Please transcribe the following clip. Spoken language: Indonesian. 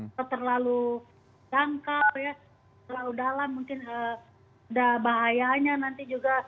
atau terlalu jangkau terlalu dalam mungkin sudah bahayanya nanti juga